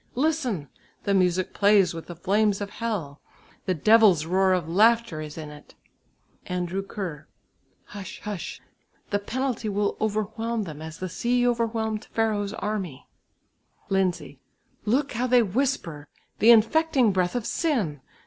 Listen! the music plays with the flames of hell! The devil's roar of laughter is in it." Andrew Kerr. "Hush, hush; the penalty will overwhelm them as the sea overwhelmed Pharaoh's army." Lindsay. "Look, how they whisper! The infecting breath of sin!